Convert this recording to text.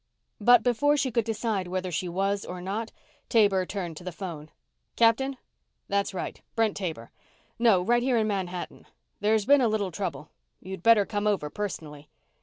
But before she could decide whether she was or not, Taber turned to the phone. "Captain?.... That's right, Brent Taber ... No, right, here in Manhattan. There's been a little trouble. You'd better come over personally."